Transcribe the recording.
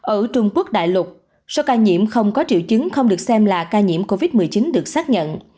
ở trung quốc đại lục số ca nhiễm không có triệu chứng không được xem là ca nhiễm covid một mươi chín được xác nhận